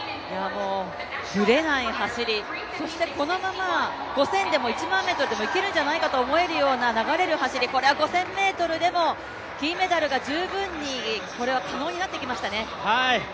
ぶれない走り、そしてこのまま５０００でも１００００ｍでもいけるんじゃないかというような流れる走り、これは５０００ｍでも金メダルが十分に可能になってきましたね。